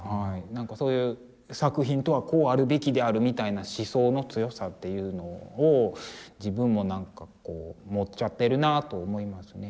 なんかそういう作品とはこうあるべきであるみたいな思想の強さっていうのを自分もなんかこう持っちゃってるなと思いますね。